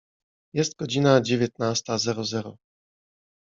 Jest godzina dziewiętnasta zero zero.